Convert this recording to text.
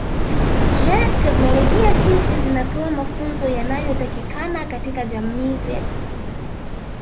Je teknolojia hizi zinatoa mafunzo yanayotakikana katika jamii zetu